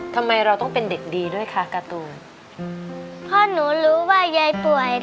ทำไมเราต้องเป็นเด็กดีด้วยคะการ์ตูนเพราะหนูรู้ว่ายายป่วย